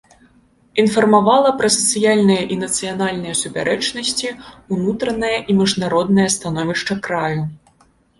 Інфармавала пра сацыяльныя і нацыянальныя супярэчнасці, унутранае і міжнароднае становішча краю.